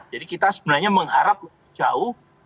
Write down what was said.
jadi kita sebenarnya mengharap jauh